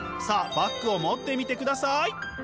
バッグを持ってみてください！